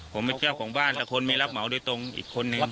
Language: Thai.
ผมเป็นเจ้าของบ้านแต่คนไม่รับเหมาโดยตรงอีกคนนึง